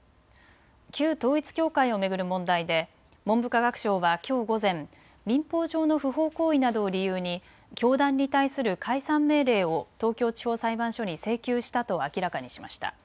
旧統一教会を巡る問題で文部科学省はきょう午前、民法上の不法行為などを理由に教団に対する解散命令を東京地方裁判所に請求したと明らかにしました。